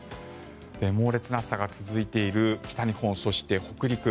猛烈な暑さが続いている北日本そして北陸